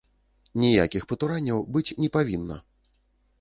Ніякіх патуранняў быць не павінна!